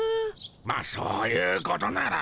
まっそういうことなら。